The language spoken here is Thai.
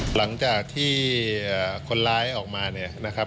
หลังจากที่คนร้ายออกมา